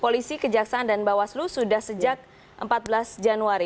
polisi kejaksaan dan bawaslu sudah sejak empat belas januari